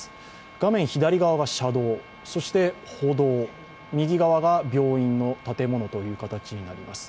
画面左側が車道、そして歩道右側が病院の建物という形になります。